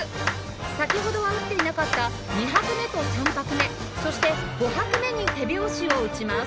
先ほどは打っていなかった２拍目と３拍目そして５拍目に手拍子を打ちます